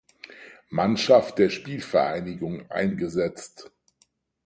Mannschaft der Spielvereinigung eingesetzt.